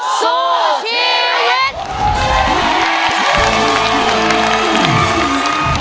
สู้ชีวิต